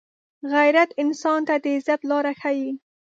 غیرت انسان ته د عزت لاره ښيي